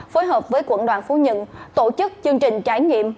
phối hợp với quận đoàn phú nhận tổ chức chương trình trải nghiệm